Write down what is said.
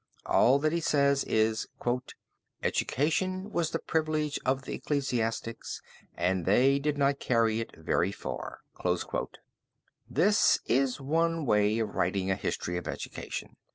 All that he says is "Education was the privilege of the ecclesiastics and they did not carry it very far." This is one way of writing a history of education.